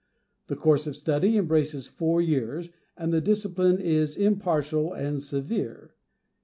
The course of study embraces four years, and the discipline is impartial and severe.